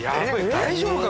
大丈夫か？